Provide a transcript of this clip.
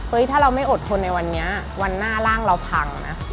ถ้าเราไม่อดทนในวันนี้วันหน้าร่างเราพังนะ